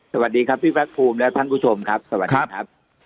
สวัสดีครับพี่ภาคภูมิและท่านผู้ชมครับสวัสดีครับ